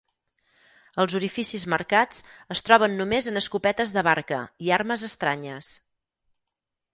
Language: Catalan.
Els orificis marcats es troben només en escopetes de barca i armes estranyes.